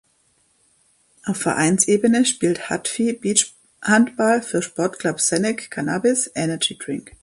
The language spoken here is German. Auf Vereinsebene spielt Hadfi Beachhandball für Sport Club Senec Cannabis Energy Drink.